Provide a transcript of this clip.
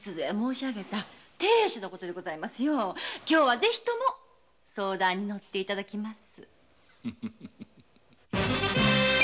今日はぜひとも相談に乗っていただきます。